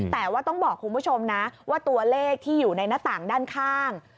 แต่ว่าต้องบอกคุณผู้ชมนะว่าตัวเลขที่อยู่ในหน้าต่างด้านข้าง